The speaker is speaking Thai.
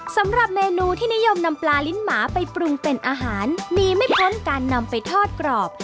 สำหรับเมนูที่นิยมนำปลาลิ้นหมาไปปรุงเป็นอาหารหนีไม่พ้นการนำไปทอดกรอบ